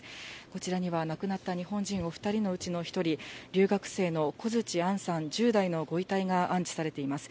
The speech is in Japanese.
こちらには亡くなった日本人お２人のうちの１人、留学生のコヅチアンさん１０代のご遺体が安置されています。